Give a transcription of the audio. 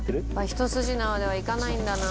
ひと筋縄では行かないんだな。